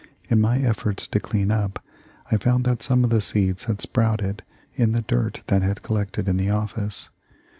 In my efforts to clean up, I found that some of the seeds had sprouted in the dirt that had collected in the office.